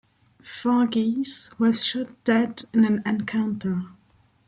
Varghese was shot dead in an encounter.